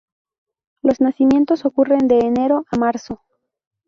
Los nacimientos ocurren de enero a marzo.